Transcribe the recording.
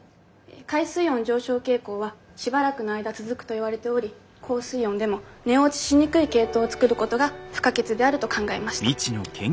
海水温上昇傾向はしばらくの間続くと言われており高水温でも芽落ちしにくい系統を作ることが不可欠であると考えました。